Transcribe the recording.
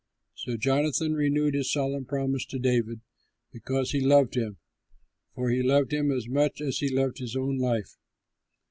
So Jonathan renewed his solemn promise to David, because he loved him; for he loved him as much as he loved his own life.